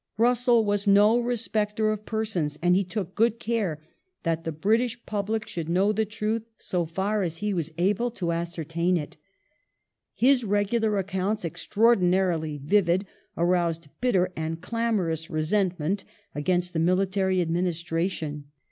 Russell was land no respecter of pei'sons, and he took good care that the British public should know the truth, so far as he was able to ascertain it. His regular accounts, extraordinarily vivid, aroused bitter and clamorous resentment against the military administration.